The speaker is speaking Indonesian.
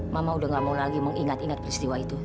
mama udah gak mau lagi mengingat ingat peristiwa itu